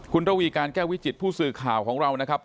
คุณระวีการแก้ววิจิตผู้สื่อข่าวของเรานะครับ